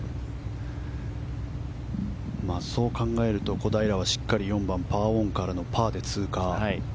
そう考えると小平はしっかりパーオンからのパーで通過。